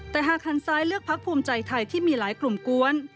แต่หากหันซ้ายเลือกพักภูมิใจไทยที่มีหลายกลุ่มกวน